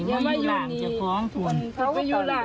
ห่วงหัว